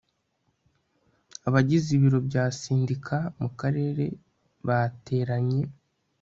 abagize ibiro bya sendika mu karere bateranye